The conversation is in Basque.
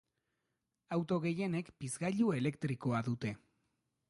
Auto gehienek pizgailu elektrikoa dute.